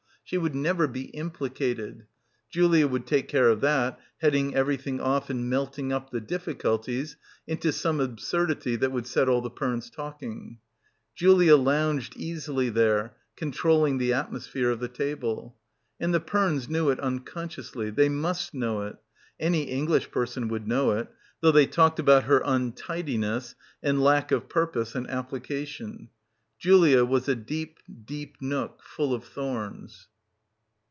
She would never be implicated. Julia would take care of that, heading everything off and melting up the difficulties into some absurdity that would set all the Pernes talking. Julia lounged easily — 282 — BACKWATER there, controlling the atmosphere of the table. And the Pernes knew it unconsciously, they must know it; any English person would know it ... though they talked about her untidiness and lack of purpose and application. Julia was a deep, deep nook, full of thorns.